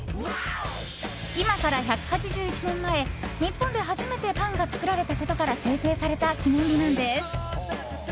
今から１８１年前日本で初めてパンが作られたことから制定された記念日なんです。